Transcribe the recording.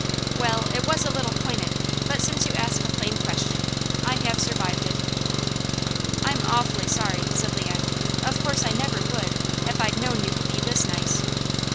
Well, it was a little pointed, but since you ask a plain question, I have survived it." "I'm awfully sorry," said Leon. "Of course I never would, if I'd known you could be this nice."